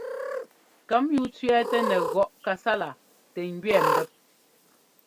Kɛmyúu tsẅɛ́ɛtɛ nɛ gɔꞌ kasala tɛ ŋgẅɛɛ mbɛ́p.